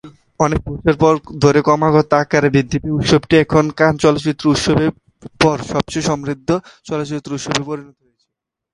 বছরের পর বছর ধরে ক্রমাগত আকারে বৃদ্ধি পেয়ে, উৎসবটি এখন কান চলচ্চিত্র উৎসব-এর পর সবচেয়ে সমৃদ্ধ চলচ্চিত্র উৎসবে পরিণত হয়েছে।